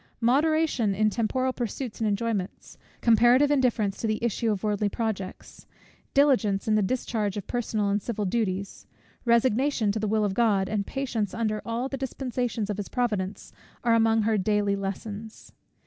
Moderation in temporal pursuits and enjoyments, comparative indifference to the issue of worldly projects, diligence in the discharge of personal and civil duties, resignation to the will of God, and patience under all the dispensations of his Providence, are among her daily lessons.